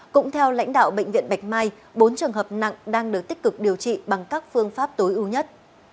cũng theo lãnh đạo bệnh viện bạch mai bốn trường hợp nặng đang được tích cực điều trị bằng các phương pháp tối ưu nhất